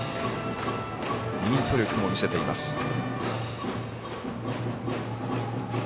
ミート力も見せています。